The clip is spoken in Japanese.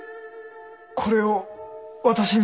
これを私に。